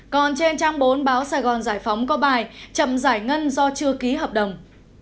còn trên trang bốn báo sài gòn giải phóng có bài chậm giải ngân do chưa ký hợp đồng